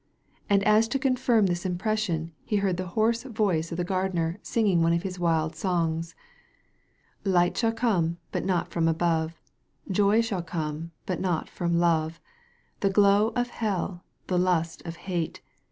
And as to confirm this impression he heard the hoarse voice of the gardener singing one of his wild songs :—^ Light shall come, bat not from abovey Joy shall come, but not from love, The glow of hell, the Inst of hate.